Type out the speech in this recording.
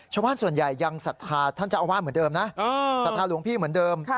ชาวบ้านส่วนใหญ่ยังศรัทธาท่านเจ้าอาวาสเหมือนเดิมนะศรัทธาหลวงพี่เหมือนเดิม